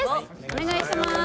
お願いします。